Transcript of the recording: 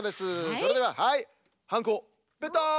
それでははいハンコペタン。